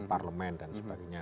parlemen dan sebagainya